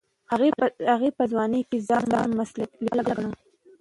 هغې په ځوانۍ کې ځان مسلکي لیکواله ګڼله.